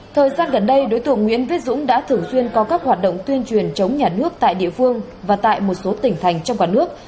thời gian gần đây đối tượng nguyễn viết dũng đã thường xuyên có các hoạt động tuyên truyền chống nhà nước tại địa phương và tại một số tỉnh thành trong cả nước